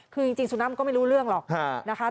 คือจริงสุนัขมันก็ไม่รู้เรื่องหรอกนะคะ